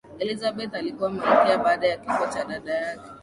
elizabeth alikuwa malkia baada ya kifo cha dada yake